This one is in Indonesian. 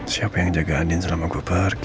siapa yang jaga andin selama gue pergi